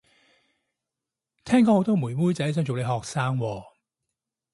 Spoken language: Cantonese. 聽講好多妹妹仔想做你學生喎